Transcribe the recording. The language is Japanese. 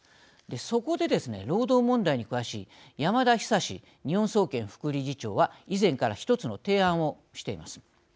そこでですね、労働問題に詳しい山田久・日本総研副理事長は以前から１つの提案をしています。